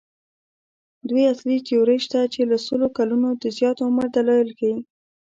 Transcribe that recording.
دوې اصلي تیورۍ شته چې له سلو کلونو د زیات عمر دلایل ښيي.